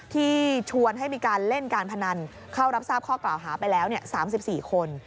ชวนให้มีการเล่นการพนันเข้ารับทราบข้อกล่าวหาไปแล้ว๓๔คน